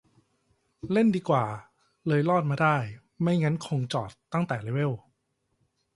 เล่นดีกว่า เลยรอดมาได้ ไม่งั้นคงจอดตั้งแต่เลเวล